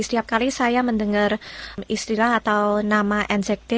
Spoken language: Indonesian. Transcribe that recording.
setiap kali saya mendengar istilah atau nama ansar d